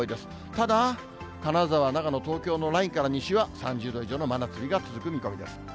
ただ、金沢、長野、東京のラインから西は３０度以上の真夏日が続く見込みです。